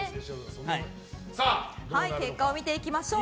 結果を見ていきましょう。